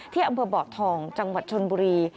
ที่อำเภอบ่อทองจังหวัดชนบุรี